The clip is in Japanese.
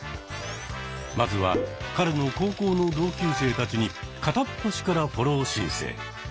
まずは彼の高校の同級生たちに片っ端からフォロー申請。